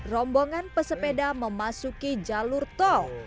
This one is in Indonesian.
rombongan pesepeda memasuki jalur tol